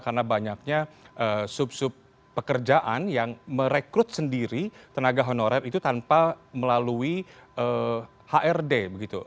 karena banyaknya sub sub pekerjaan yang merekrut sendiri tenaga honorer itu tanpa melalui hrd begitu